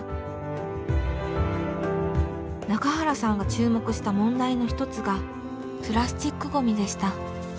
中原さんが注目した問題の一つがプラスチックゴミでした。